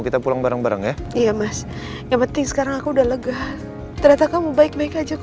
kita pulang bareng bareng ya iya mas yang penting sekarang aku udah lega ternyata kamu baik baik aja aku